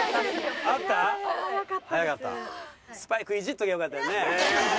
スパイクいじっときゃよかったよね。